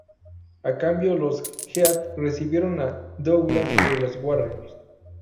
A cambio, los Heat recibieron a Douglas de los Warriors.